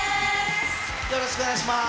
よろしくお願いします。